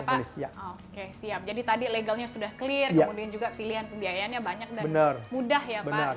pak oke siap jadi tadi legalnya sudah clear kemudian juga pilihan pembiayaannya banyak dan mudah ya pak